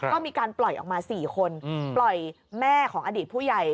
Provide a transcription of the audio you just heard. ก็มีการปล่อยออกมา๔คนปล่อยแม่ของอดีตผู้ใหญ่